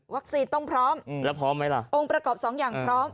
ต้องพร้อมแล้วพร้อมไหมล่ะองค์ประกอบสองอย่างพร้อม